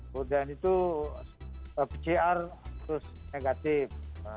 kemudian itu pcr terus negatif